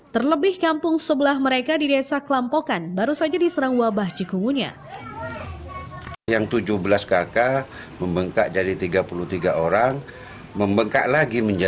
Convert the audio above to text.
terlebih kampung sebelah mereka di desa kelampokan baru saja diserang wabah cikungunya